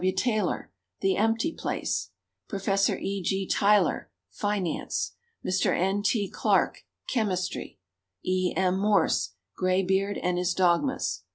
W. Taylor, "The Empty Place"; Prof. E. G. Tyler, "Finance"; Mr. N. T. Clark, "Chemistry"; E. M. Morse, "Graybeard and His Dogmas."